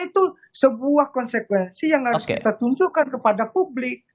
itu sebuah konsekuensi yang harus kita tunjukkan kepada publik